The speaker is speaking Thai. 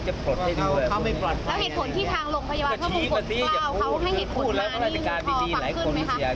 คือพูดแล้วพระราชการบิดีหลายคนรู้สึกอย่าง